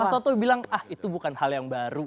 mas toto bilang ah itu bukan hal yang baru